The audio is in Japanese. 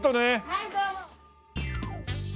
はいどうも。